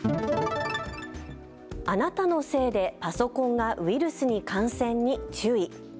あなたのせいでパソコンがウイルスに感染に注意。